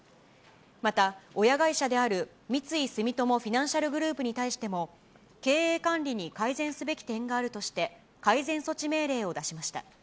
また、親会社である三井住友フィナンシャルグループに対しても経営管理に改善すべき点があるとして、改善措置命令を出しました。